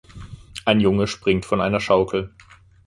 Ein Junge springt von einer Schaukel.